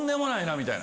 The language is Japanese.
みたいな。